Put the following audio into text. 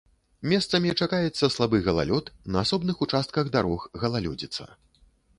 Месцамі чакаецца слабы галалёд, на асобных участках дарог галалёдзіца.